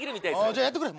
じゃあやってくれ。